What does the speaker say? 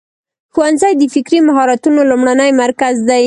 ښوونځی د فکري مهارتونو لومړنی مرکز دی.